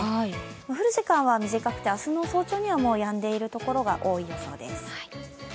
降る時間は短くて、明日の早朝にはやんでいる所が多い模様です。